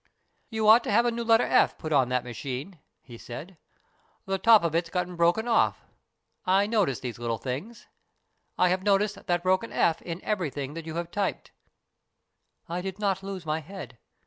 "'You ought to have a new letter "f" put on that machine,' he said. * The top of it's got broken off. I notice these little things. I have noticed that broken " f " in everything that you have typed.' " I did not lose my head.